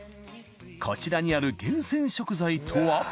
こちらにある厳選食材とは？